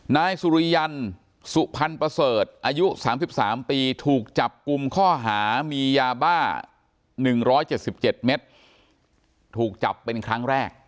นายสุริยันสุพรรณประเสริฐอายุ๓๓ปีถูกจับกลุ่มข้อหามียาบ้า๑๗๗เมตรถูกจับเป็นครั้งแรก